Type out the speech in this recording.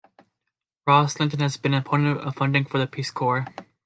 Ros-Lehtinen has been an opponent of funding for the Peace Corps.